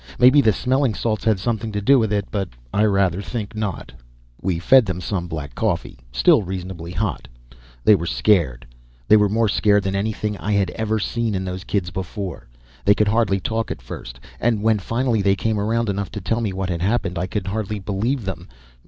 Maybe the smelling salts had something to do with it, but I rather think not. We fed them some of the black coffee, still reasonably hot. They were scared; they were more scared than anything I had ever seen in those kids before. They could hardly talk at first, and when finally they came around enough to tell me what had happened I could hardly believe them.